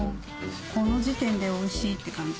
この時点でおいしいって感じ。